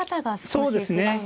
そうですね。